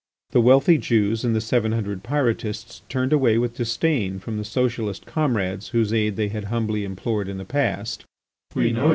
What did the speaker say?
The wealthy Jews and the seven hundred Pyrotists turned away with disdain from the socialist comrades whose aid they had humbly implored in the past.